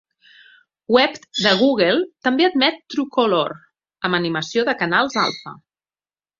WebP de Google també admet Truecolor amb animació de canals alfa.